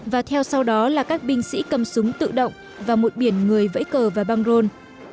và theo sau đó là các binh sĩ cầm súng tự động và một biển người vẫy cờ vào băng rôn